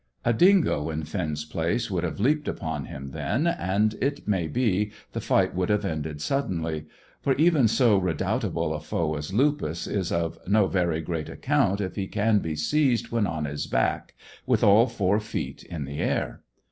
A dingo in Finn's place would have leaped upon him then, and, it may be, the fight would have ended suddenly; for even so redoubtable a foe as Lupus is of no very great account if he can be seized when on his back, with all four feet in the air.